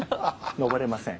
登れません。